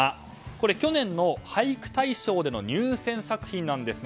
これ、去年の俳句大賞での入選作品なんです。